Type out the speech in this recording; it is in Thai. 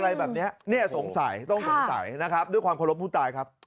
อะไรแบบนี้นี่ต้องสงสัยด้วยความโครงรถภูตาย